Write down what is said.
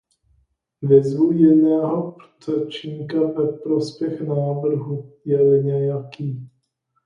Vyzvu jiného řečníka ve prospěch návrhu, je-li nějaký.